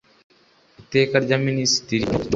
iteka rya ministitiri no ryo